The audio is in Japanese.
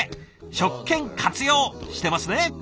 職権活用してますね。